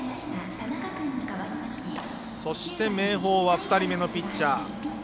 そして、明豊は２人目のピッチャー。